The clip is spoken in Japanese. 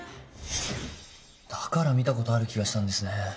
だから見たことある気がしたんですね。